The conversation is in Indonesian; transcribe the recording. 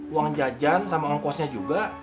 uang jajan sama ongkosnya juga